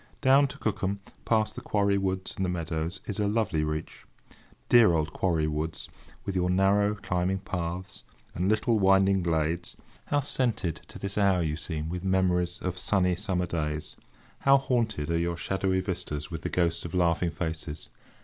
Down to Cookham, past the Quarry Woods and the meadows, is a lovely reach. Dear old Quarry Woods! with your narrow, climbing paths, and little winding glades, how scented to this hour you seem with memories of sunny summer days! How haunted are your shadowy vistas with the ghosts of laughing faces!